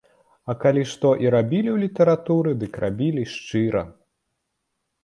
І калі што і рабілі ў літаратуры, дык рабілі шчыра.